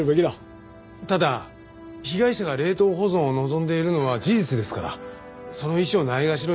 ただ被害者が冷凍保存を望んでいるのは事実ですからその意思をないがしろにするのは。